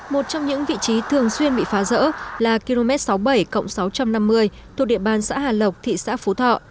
một trong những vị trí thường xuyên bị phá rỡ là km sáu mươi bảy cộng sáu trăm năm mươi thuộc địa bàn xã hà lộc thị xã phú thọ